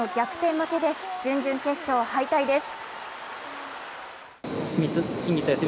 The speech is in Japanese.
負けで準々決勝敗退です。